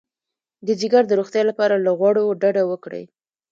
د ځیګر د روغتیا لپاره له غوړو ډډه وکړئ